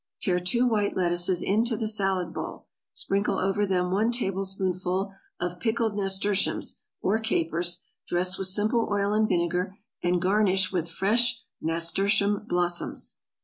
= Tear two white lettuces into the salad bowl, sprinkle over them one tablespoonful of pickled nasturtiums, or capers, dress with simple oil and vinegar, and garnish with fresh nasturtium blossoms.